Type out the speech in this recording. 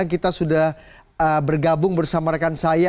kita sudah bergabung bersama rekan saya